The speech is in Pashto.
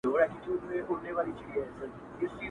راوړي دي و یار ته یار لېمه شراب شراب.